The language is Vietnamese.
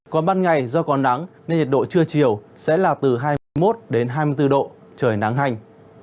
còn ban ngày do có nắng nên nhiệt độ trưa chiều sẽ là từ hai mươi một đến hai mươi bốn độ trời nắng hành